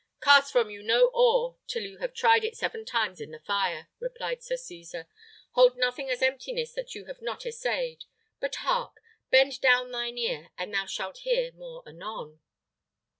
"Cast from you no ore till you have tried it seven times in the fire," replied Sir Cesar; "hold nothing as emptiness that you have not essayed. But, hark! bend down thine ear, and thou shalt hear more anon."